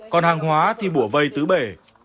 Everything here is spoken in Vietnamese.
còn hàng hóa thì bủa vây tứ bể